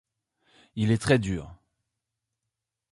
Il est très dur.